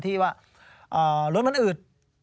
ที่ว่ารถมันอืด